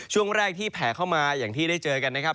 ช่วงแรกที่แผลเข้ามาอย่างที่ได้เจอกันนะครับ